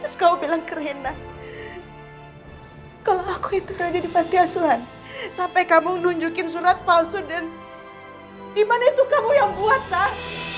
terus kamu bilang ke rena kalau aku itu tadi di panti asuhan sampai kamu nunjukin surat palsu dan iman itu kamu yang buat sar